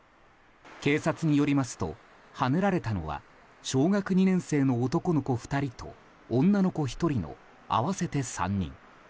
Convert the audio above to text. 警察によりますとはねられたのは小学２年生の男の子２人と女の子１人の合わせて３人。